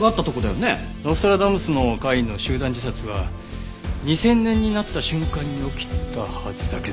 ノストラダムスの会の集団自殺は２０００年になった瞬間に起きたはずだけど。